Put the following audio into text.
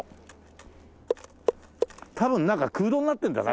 多分中空洞になってるんだな